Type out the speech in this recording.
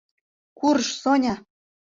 Курж, Соня!